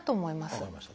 分かりました。